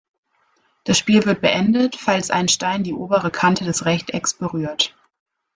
Das Spiel wird beendet, falls ein Stein die obere Kante des Rechtecks berührt.